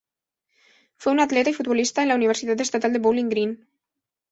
Fue un atleta y futbolista en la Universidad Estatal de Bowling Green.